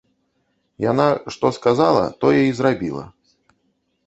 Яна, што сказала, тое й зрабіла.